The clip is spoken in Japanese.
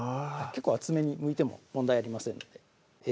結構厚めにむいても問題ありませんのでえ